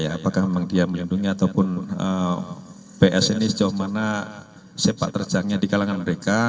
apakah memang dia melindungi ataupun ps ini sejauh mana sepak terjangnya di kalangan mereka